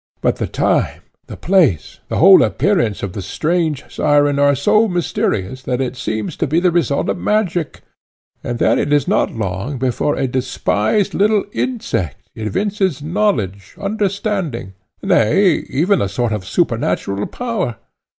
But the time, the place, the whole appearance of the strange syren are so mysterious, that it seems to be the result of magic; And then it is not long before a despised little insect evinces knowledge, understanding, nay, even a sort of supernatural power.